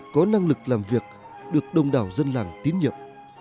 có năng lực làm việc được đông đảo dân làng tín nhiệm